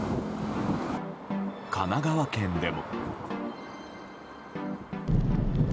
神奈川県でも。